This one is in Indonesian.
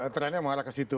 trennya mengarah ke situ